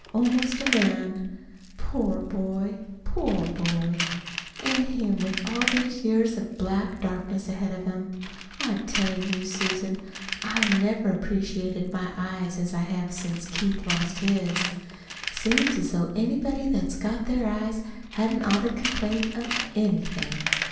"Almost a man. Poor boy, poor boy an' him with all these years of black darkness ahead of him! I tell you, Susan, I never appreciated my eyes as I have since Keith lost his. Seems as though anybody that's got their eyes hadn't ought to complain of anything.